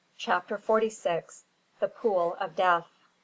CHAPTER FORTY SIX. THE POOL OF DEATH.